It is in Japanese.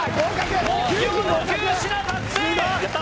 目標の９品達成やった！